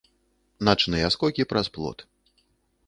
Начныя скокі праз плот.